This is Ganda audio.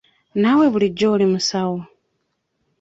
Naawe bulijjo oli musawo?